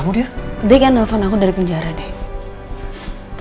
kamu dia dengan telepon aku dari penjara deh